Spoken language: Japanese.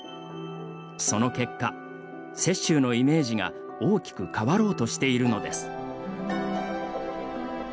その結果、雪舟のイメージが大きく変わろうとしているのです。